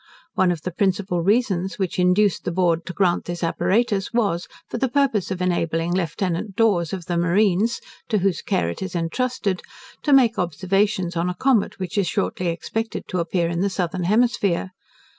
One of the principal reasons which induced the Board to grant this apparatus was, for the purpose of enabling Lieutenant Dawes, of the marines, (to whose care it is intrusted) to make observations on a comet which is shortly expected to appear in the southern hemisphere.